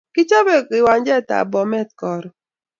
Kichape kiwanjet ab Bomet karon